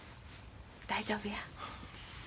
大丈夫や。